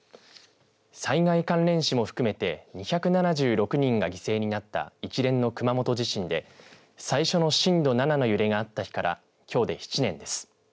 災害関連死も含めて２７６人が犠牲になった一連の熊本地震で最初の震度７の揺れがあった日からきょうで７年です。